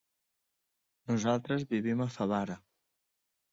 Nosaltres vivim a Favara.